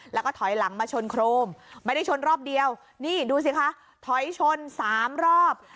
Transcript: แล้วก็ถอยหลังมาชนโครมไม่ได้ชนรอบเดียวนี่ดูสิคะถอยชนสามรอบ